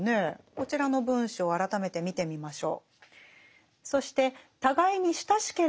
こちらの文章を改めて見てみましょう。